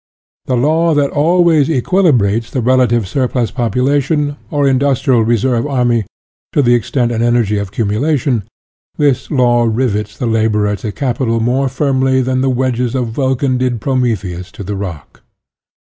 " The law that always equilibrates the rela tive surplus population, or industrial re serve army, to the extent and energy of accumulation, this law rivets the laborer to capital more firmly than the wedges of Vulcan did Prometheus to the rock.